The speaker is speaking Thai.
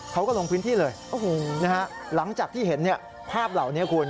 เขาก็ลงพื้นที่เลยหลังจากที่เห็นภาพเหล่านี้คุณ